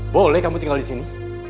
boleh kamu tinggal disini